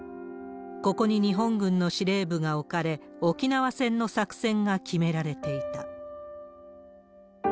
ここに日本軍の司令部が置かれ、沖縄戦の作戦が決められていた。